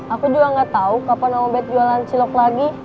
aku juga gak tau kapan omobet jualan cilok lagi